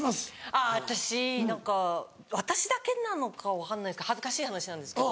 あっ私何か私だけなのか分かんない恥ずかしい話なんですけど。